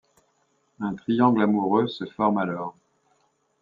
Un triangle amoureux se forme alors.